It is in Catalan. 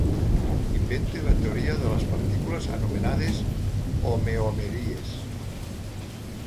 Invente la teoria de les partícules anomenades homeomeries.